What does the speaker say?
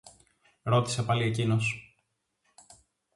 ρώτησε πάλι εκείνος.